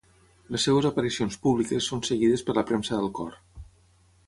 Les seves aparicions públiques són seguides per la premsa del cor.